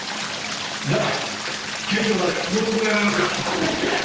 じゃあ警視庁までご同行願えますか？